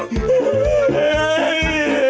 เฮ้ย